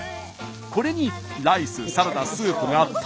これにライスサラダスープが食べ放題！